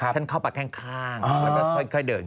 ฉันเข้าไปข้างแล้วก็ค่อยเดิน